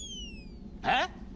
えっ？